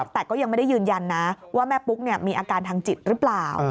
แต่ก็ยังไม่ได้ยืนยันนะว่าแม่ปุ๊กมีอาการทางจิตหรือเปล่า